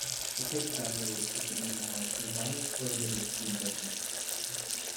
The paperback release of the memoir revised or omitted the inventions.